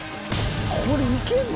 これいけんの？